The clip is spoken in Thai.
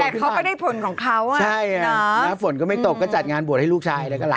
แต่เขาก็ได้ผลของเขาอ่ะใช่นะฝนก็ไม่ตกก็จัดงานบวชให้ลูกชายแล้วก็หลาน